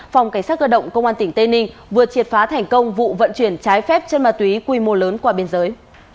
phòng cảnh sát cơ động công an tỉnh tây ninh vừa triệt phá thành công vụ vận chuyển trái phép chân ma túy quy mô lớn qua biên giới